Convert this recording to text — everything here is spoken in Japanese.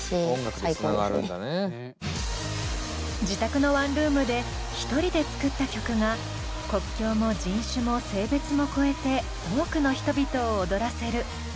自宅のワンルームで１人で作った曲が国境も人種も性別も超えて多くの人々を踊らせる。